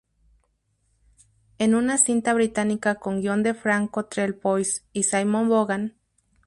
En una cinta británica, con guión de Frank Cottrell Boyce y Simon Vaughan.